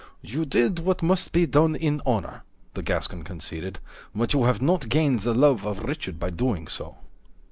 "You did what must be done in honor," the Gascon conceded, "but you have not gained the love of Richard by doing so."